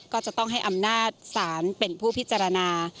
ก็จะต้องให้อำนาจศาลเป็นผู้พิจารณา